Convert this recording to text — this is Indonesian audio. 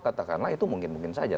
katakanlah itu mungkin mungkin saja